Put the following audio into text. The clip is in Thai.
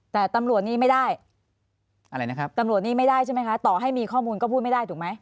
แต่ตำรวจนี้ไม่ได้ใช่ไหมคะต่อให้มีข้อมูลก็พูดไม่ได้ถูกไหม